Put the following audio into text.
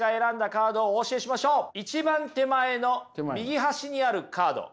１番手前の右端にあるカード。